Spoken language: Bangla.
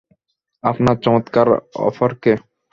আপনার চমৎকার অফারকে।